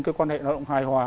cái quan hệ lao động hài hòa